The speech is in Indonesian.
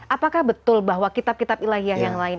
apakah betul bahwa kitab kitab ilahiyah yang lain